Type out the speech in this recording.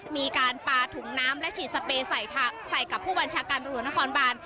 มีการปาถุงน้ำและฉีดสเปย์ใส่กับผู้บัญชาการตำรวจนครบาน